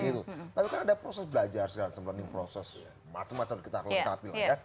tapi kan ada proses belajar proses macam macam kita lengkapi